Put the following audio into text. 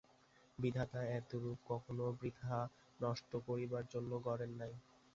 বিধাতা এত রূপ কখনো বৃথা নষ্ট করিবার জন্য গড়েন নাই।